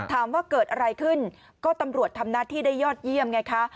ถามว่าเกิดอะไรขึ้นก็ตำรวจทำหน้าที่ได้ยอดเยี่ยมไงคะ